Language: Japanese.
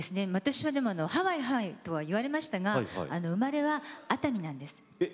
私はでもハワイ、ハワイとは言われましたが生まれは熱海なんです。